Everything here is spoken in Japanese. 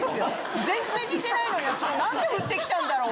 全然似てないのに何でふって来たんだろう？